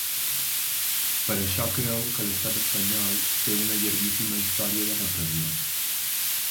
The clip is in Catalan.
Per això creu que l’estat espanyol ‘té una llarguíssima història de repressió’.